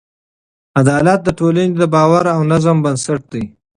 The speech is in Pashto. عدالت د ټولنې د باور او نظم بنسټ دی.